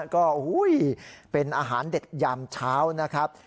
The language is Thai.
ก็เป็นอาหารเด็ดยามเช้านะครับ